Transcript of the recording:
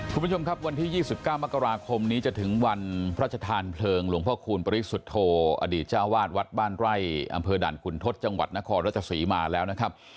คุณผู้ชมครับวันที่๒๙มกราคมนี้จะถึงวันพระชธานเพลิงหลวงพ่อคูณปริสุทธโธอดีตเจ้าวาดวัดบ้านไร่อำเภอด่านขุนทศจังหวัดนครราชศรีมาแล้วนะครับ